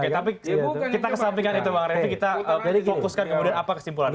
oke tapi kita kesampingkan itu bang refli kita fokuskan kemudian apa kesimpulannya